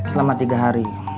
selama tiga hari